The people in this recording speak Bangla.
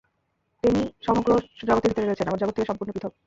তিনি সমগ্র জগতের ভিতর রয়েছেন, আবার জগৎ থেকে সম্পূর্ণ পৃথক্।